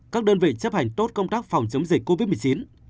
các đơn vị chấp hành tốt công tác phòng chống dịch covid một mươi chín